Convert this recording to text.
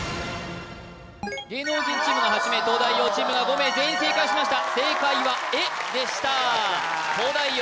芸能人チームが８名東大王チームが５名全員正解しました正解はエでしたやった東大王